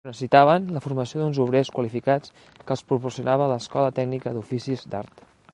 Però necessitaven la formació d'uns obrers qualificats que els proporcionava l'Escola Tècnica d'Oficis d'Art.